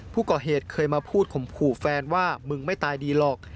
ผู้ก่อเหตุเคยมาพูดข่มขู่แฟนว่ามึงไม่ตายดีหรอก